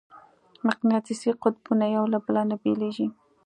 مقناطیسي قطبونه یو له بله نه بېلېږي.